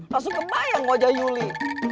langsung kebayang wajah yuli